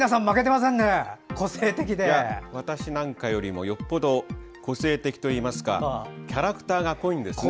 私なんかよりもよっぽど個性的といいますかキャラクターが濃いんですよね。